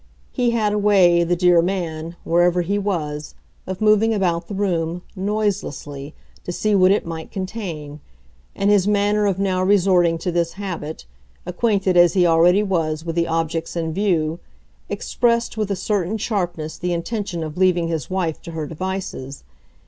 He had a way, the dear man, wherever he was, of moving about the room, noiselessly, to see what it might contain; and his manner of now resorting to this habit, acquainted as he already was with the objects in view, expressed with a certain sharpness the intention of leaving his wife to her devices.